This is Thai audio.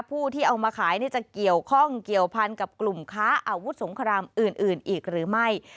ผู้ที่เอามาขายจะเกี่ยวข้องเกี่ยวพันกับกลุ่มค้าอาวุธสงครามอื่นอีกหรือไม่